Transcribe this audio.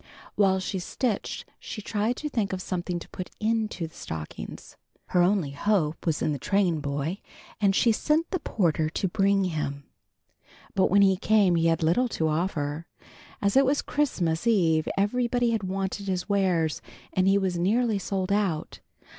While she stitched she tried to think of something to put into the stockings. Her only hope was in the trainboy, and she sent the porter to bring him. But when he came he had little to offer. As it was Christmas eve everybody had wanted his wares and he was nearly sold out.